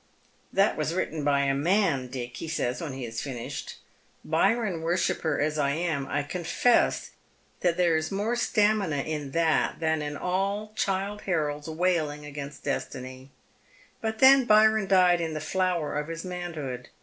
"That was written by a man, Dick," he says when he has fiiiished. " Byron worshipper as I am, I confess that there is more stamina in that than in all Childe Harold's wailing against destinj\ But then Byron died in the flower of his manhood.